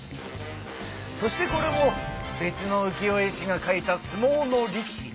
そしてこれも別の浮世絵師が描いた相撲の力士。